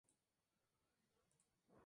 Integró el equipo ideal de la justa.